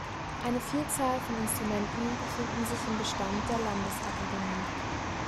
Eine Vielzahl von Instrumenten befinden sich im Bestand der Landesakademie.